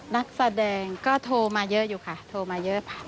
นักแสดงก็โทรมาเยอะอยู่ค่ะโทรมาเยอะ